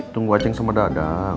tunggu aja yang sama dadam